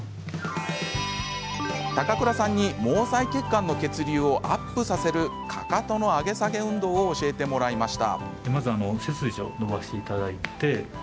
高倉さんに毛細血管の血流をアップさせるかかとの上げ下げ運動を教えてもらいました。